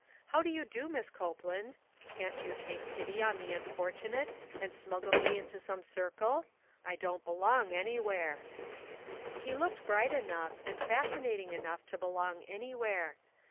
How do you do, Miss Copeland? Can't you take pity on the unfortunate, and smuggle me into some circle? I don't belong anywhere." /O ONE COMMONPLACE DAY. He looked bright enough, and fascinating enough to belong anywhere.